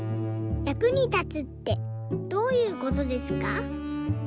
役に立つってどういうことですか？」。